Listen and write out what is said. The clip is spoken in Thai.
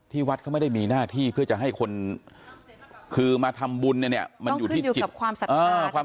ที่วัดเขาไม่ได้มีหน้าที่เพื่อจะให้คนคือมาทำบุญเนี่ยต้องขึ้นอยู่กับความสัตว์ภาพ